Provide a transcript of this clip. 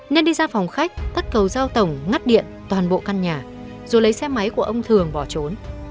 nên đi ra phòng khách cất cầu giao tổng ngắt điện toàn bộ căn nhà rồi lấy xe máy của ông thường bỏ trốn